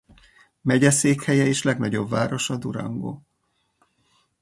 Megyeszékhelye és legnagyobb városa Durango.